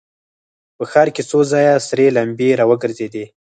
په ښار کې څو ځایه سرې لمبې را وګرځېدې.